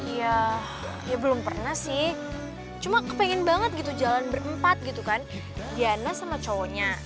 ya belum pernah sih cuma kepengen banget gitu jalan berempat gitu kan diana sama cowoknya